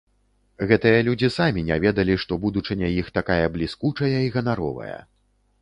Гэтыя людзі самі не ведалі, што будучыня іх такая бліскучая і ганаровая.